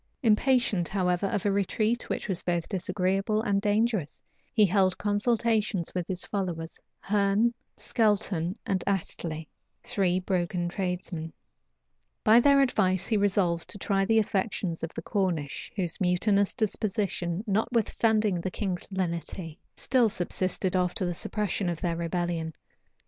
Impatient, however, of a retreat which was both disagreeable and dangerous, he held consultations with his followers, Herne, Skelton, and Astley, three broken tradesmen: by their advice he resolved to try the affections of the Cornish, whose mutinous disposition, notwithstanding the king's lenity, still subsisted after the suppression of their rebellion.